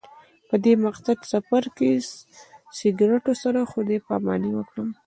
په دې مقدس سفر کې سګرټو سره خدای پاماني وکړم.